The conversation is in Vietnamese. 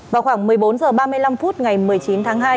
vào khoảng một mươi bốn h ba mươi năm phút ngày một mươi chín tháng hai